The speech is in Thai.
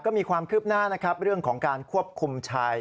ก็มีความคืบหน้านะครับเรื่องของการควบคุมชาย